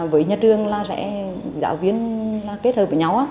với nhà trường là sẽ giáo viên kết hợp với nhau